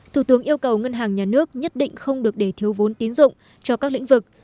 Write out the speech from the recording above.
thủ tướng yêu cầu ngân hàng nhà nước nhất định không được để thiếu vốn tín dụng cho các lĩnh vực